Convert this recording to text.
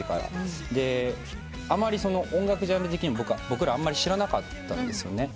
あまり音楽ジャンル的にも僕らあんまり知らなかった。